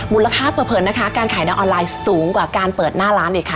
มูลค่าเปิดเผินนะคะการขายในออนไลน์สูงกว่าการเปิดหน้าร้านเองค่ะ